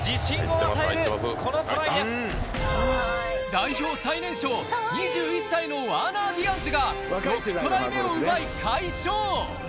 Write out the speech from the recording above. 代表最年少、２１歳のワーナー・ディアンズが６トライ目を奪い快勝。